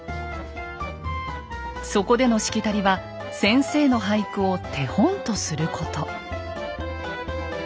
そこでのしきたりは先生の俳句を手本とすること。